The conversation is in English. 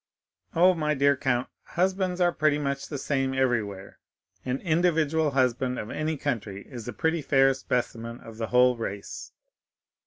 "Oh, my dear count, husbands are pretty much the same everywhere; an individual husband of any country is a pretty fair specimen of the whole race."